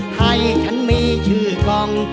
ให้ฉันมีชื่อกล้อง